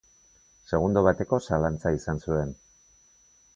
Segundo bateko zalantza izan zuen.